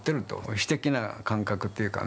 詩的な感覚っていうかね